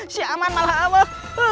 si aman malah amat